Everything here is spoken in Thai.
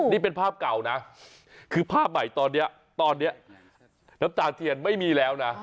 นี่เป็นภาพเก่านะคือภาพใหม่ตอนนี้ตอนนี้น้ำตาเทียนไม่มีแล้วนะ